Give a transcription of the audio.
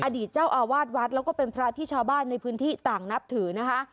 อดีตเจ้าอาวาสวัดแล้วก็เป็นพระที่ชาวบ้านในพื้นที่ต่างนับถือนะคะ